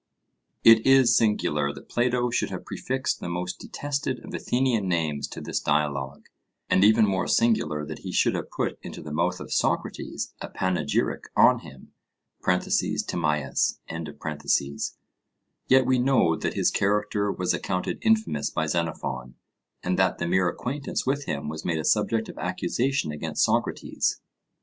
It is singular that Plato should have prefixed the most detested of Athenian names to this dialogue, and even more singular that he should have put into the mouth of Socrates a panegyric on him (Tim.). Yet we know that his character was accounted infamous by Xenophon, and that the mere acquaintance with him was made a subject of accusation against Socrates.